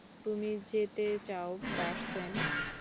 তুমি যেতে চাও, পার্সেন?